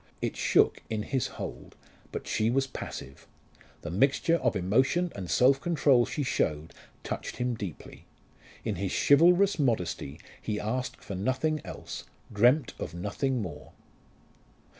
It shook in his hold, but she was passive. The mixture of emotion and self control she showed touched him deeply. In his chivalrous modesty he asked for nothing else, dreamt of nothing more.